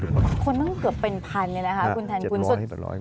คนมันเกือบเป็นพันเนี่ยแหละค่ะคุณแทนคุณ